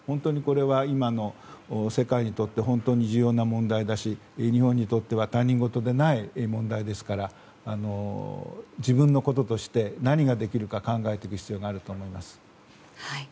これは今の世界にとって本当に重要な問題だし日本にとっては他人事でない問題ですから自分のこととして何ができるか考える必要があると思います。